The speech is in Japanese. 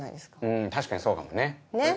うん確かにそうかもね。ねっ。